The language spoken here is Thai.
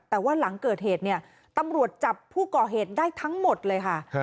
แต่ว่าหลังเกิดเหตุเนี่ยตำรวจจับผู้ก่อเหตุได้ทั้งหมดเลยค่ะ